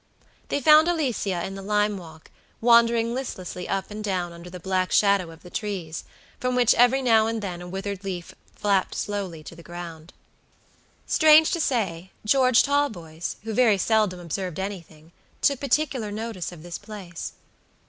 They found Alicia in the lime walk, wandering listlessly up and down under the black shadow of the trees, from which every now and then a withered leaf flapped slowly to the ground. Strange to say, George Talboys, who very seldom observed anything, took particular notice of this place.